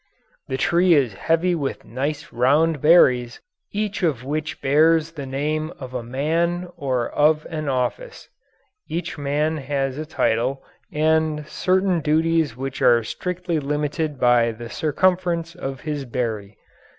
The tree is heavy with nice round berries, each of which bears the name of a man or of an office. Every man has a title and certain duties which are strictly limited by the circumference of his berry.